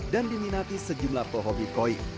dan diminati sejumlah pohobi koi